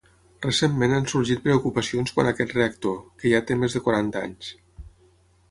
Recentment han sorgit preocupacions quant a aquest reactor, que ja té més de quaranta anys.